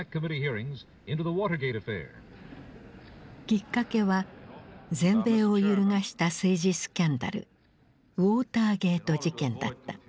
きっかけは全米を揺るがした政治スキャンダルウォーターゲート事件だった。